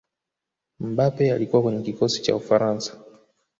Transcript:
mbappe alikuwa kwenye kikosi cha ufaransa